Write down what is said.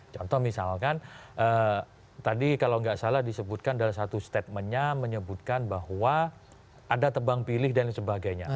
contoh misalkan tadi kalau nggak salah disebutkan dalam satu statementnya menyebutkan bahwa ada tebang pilih dan sebagainya